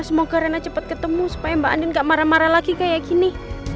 semoga rena cepat ketemu supaya mbak andin gak marah marah lagi kayak gini